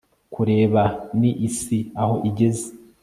kureba ni isi aho igeze